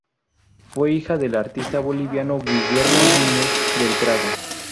Fue hija del artista boliviano Guillermo Núñez del Prado.